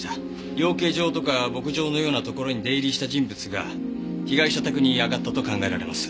養鶏場とか牧場のようなところに出入りした人物が被害者宅に上がったと考えられます。